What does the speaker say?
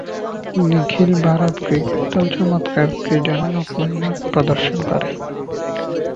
নিখিল Bharat cricket দল চমৎকার ক্রীড়ানৈপুণ্য প্রদর্শন করে।